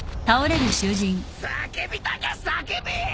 叫びたきゃ叫べ！